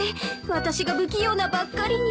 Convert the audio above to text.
私が不器用なばっかりに。